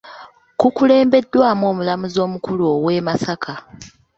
Kukulembeddwamu omulamuzi omukulu ow’e Masaka.